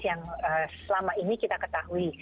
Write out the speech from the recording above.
yang selama ini kita ketahui